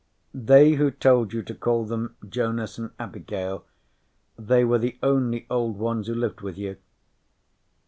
"They who told you to call them Jonas and Abigail, they were the only old ones who lived with you?"